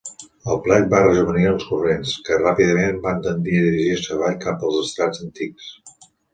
El plec va rejovenir els corrents, que ràpidament van tendir a dirigir-se avall cap als estrats antics.